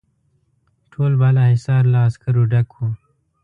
ټول بالاحصار له عسکرو ډک وو.